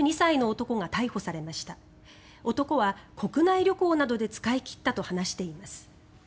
男は国内旅行などで使い切ったと話しています。